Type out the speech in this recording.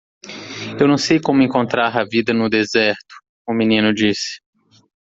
"Eu não sei como encontrar a vida no deserto?" o menino disse.